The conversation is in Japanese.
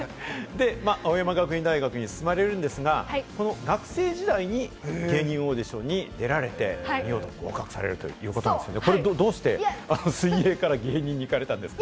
青山学院大学に進まれるんですが、学生時代に芸人オーディションに出られて見事合格されるということなんですが、どうして水泳から芸人に行かれたんですか？